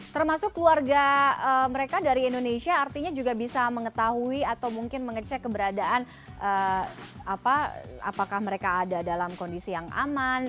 termasuk keluarga mereka dari indonesia artinya juga bisa mengetahui atau mungkin mengecek keberadaan apakah mereka ada dalam kondisi yang aman